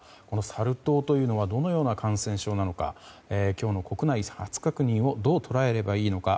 サル痘というのはどのような感染症なのか今日の国内初確認をどう捉えればいいのか。